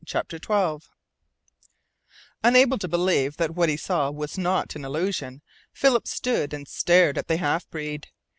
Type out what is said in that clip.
CHAPTER TWELVE Unable to believe that what he saw was not an illusion, Philip stood and stared at the half breed.